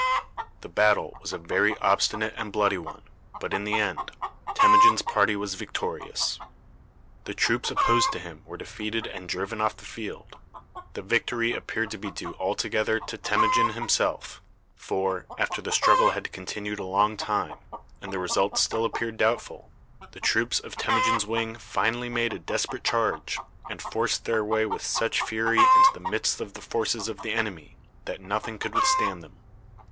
The battle was a very obstinate and bloody one, but, in the end, Temujin's party was victorious. The troops opposed to him were defeated and driven off the field. The victory appeared to be due altogether to Temujin himself; for, after the struggle had continued a long time, and the result still appeared doubtful, the troops of Temujin's wing finally made a desperate charge, and forced their way with such fury into the midst of the forces of the enemy that nothing could withstand them.